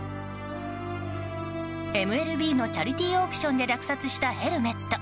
ＭＬＢのチャリティーオークションで落札したヘルメット